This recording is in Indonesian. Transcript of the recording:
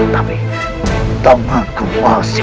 tapi tanganku masih